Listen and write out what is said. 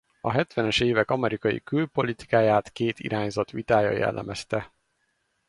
A hetvenes évek amerikai külpolitikáját két irányzat vitája jellemezte.